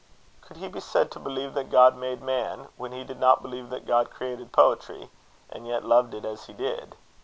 Could he be said to believe that God made man, when he did not believe that God created poetry and yet loved it as he did?